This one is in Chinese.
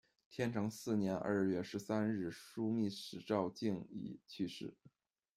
天成四年二月十三日，枢密使赵敬怡去世。